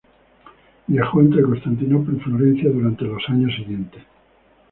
Viajó entre Constantinopla y Florencia durante los años siguientes.